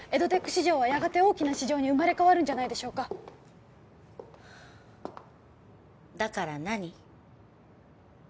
市場はやがて大きな市場に生まれ変わるんじゃないでしょうかだから何？